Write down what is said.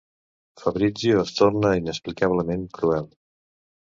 Fabrizio es torna inexplicablement cruel.